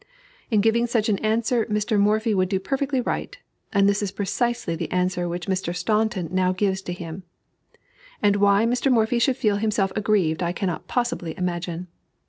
In giving such an answer Mr. Morphy would do perfectly right, and this is precisely the answer which Mr. Staunton now gives to him. And why Mr. Morphy should feel himself aggrieved I cannot possibly imagine.